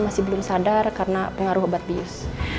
masih belum sadar karena pengaruh obat bius